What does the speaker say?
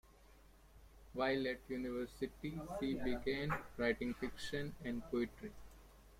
While at university she began writing fiction and poetry.